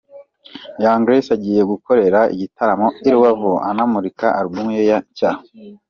Young Grace agiye gukorera igitaramo i Rubavu anamurika Album ye nshya.